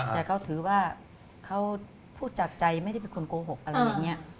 แต่เขาถือว่าเขาพูดจากใจไม่ได้เป็นคนโกหกอะไรอย่างนี้